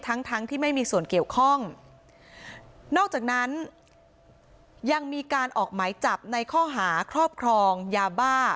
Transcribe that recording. ทั้งทั้งที่ไม่มีส่วนเกี่ยวข้องนอกจากนั้นยังมีการออกหมายจับในข้อหาครอบครองยาบ้า